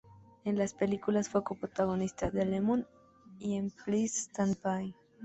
En películas, fue co-protagonista en "Lemon" y en "Please Stand By".